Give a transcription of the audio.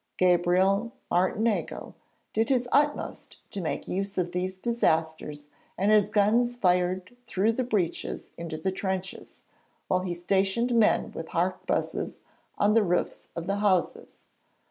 Gabriel Martinengo did his utmost to make use of these disasters and his guns fired through the breaches into the trenches, while he stationed men with harquebuses on the roofs of the houses.